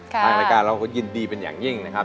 ทางรายการเราก็ยินดีเป็นอย่างยิ่งนะครับ